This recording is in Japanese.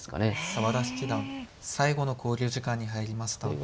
澤田七段最後の考慮時間に入りました。